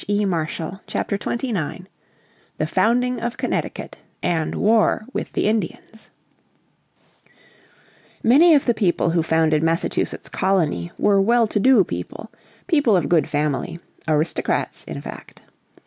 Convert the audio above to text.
__________ Chapter 29 The Founding of Connecticut and War with the Indians Many of the people who founded Massachusetts Colony were well to do people, people of good family, aristocrats in fact.